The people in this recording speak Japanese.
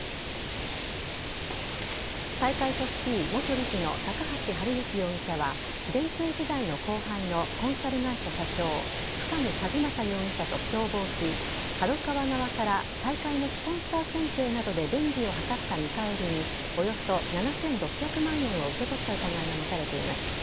大会組織委元理事の高橋治之容疑者は電通時代の後輩のコンサル会社社長深見和政容疑者と共謀しＫＡＤＯＫＡＷＡ側から大会のスポンサー選定などで便宜を図った見返りにおよそ７６００万円を受け取った疑いが持たれています。